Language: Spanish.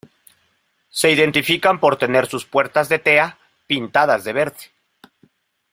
Se identifican por tener sus puertas de tea pintadas de verde.